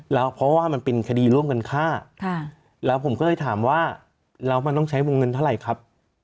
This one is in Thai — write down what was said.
แล้วเพราะว่ามันเป็นคดีร่วมกันฆ่าแล้วผมก็เลยถามว่าแล้วมันต้องใช้วงเงินเท่าไหร่ครับ